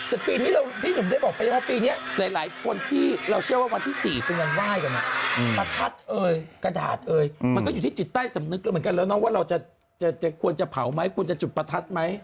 แต่ปีนี้พี่หนุ่มได้บอกไปแล้วว่าปีนี้หลายคนที่เราเชื่อว่าวันที่๔เป็นวันไหว้กันประทัดเอ่ยกระดาษเอ่ยมันก็อยู่ที่จิตใต้สำนึกแล้วเหมือนกันแล้วนะว่าเราจะควรจะเผาไหมควรจะจุดประทัดไหม